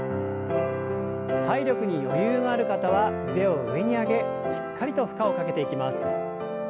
体力に余裕のある方は腕を上に上げしっかりと負荷をかけていきます。